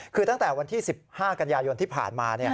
คือตั้งแต่วันที่๑๕กันยายนที่ผ่านมา